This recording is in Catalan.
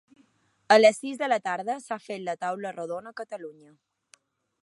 A les sis de la tarda s’ha fet la taula rodona Catalunya.